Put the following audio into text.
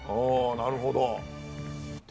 なるほど。